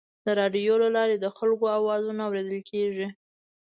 د راډیو له لارې د خلکو اواز اورېدل کېږي.